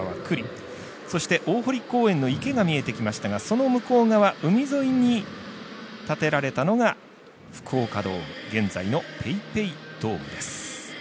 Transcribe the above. そして、大濠公園の池が見えてきましたが海沿いに建てられたのが福岡の現在のＰａｙＰａｙドームです。